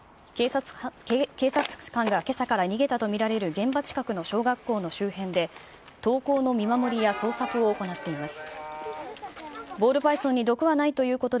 警察官がけさから逃げたと見られる現場近くの小学校の周辺で、登校の見守りや捜索を行っています。